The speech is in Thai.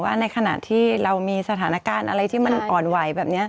ว่าในขณะที่เรามีสถานการณ์อะไรที่มันอ่อนไหว